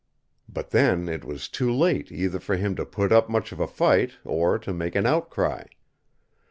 But then it was too late either for him to put up much of a fight or to make an outcry.